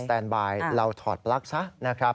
สแตนบายเราถอดปลั๊กซะ